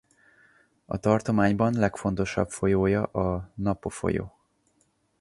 A tartományban legfontosabb folyója a Napo-folyó.